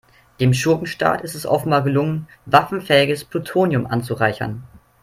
Dem Schurkenstaat ist es offenbar gelungen, waffenfähiges Plutonium anzureichern.